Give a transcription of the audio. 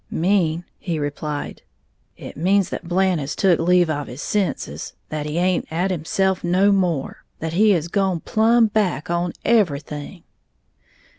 "Mean!" he replied. "It means that Blant has took leave of his senses, that he aint at himself no more, that he has gone plumb back on everything!"